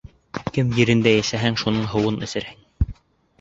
Кем ерендә йәшәһәң, шуның һыуын эсерһең.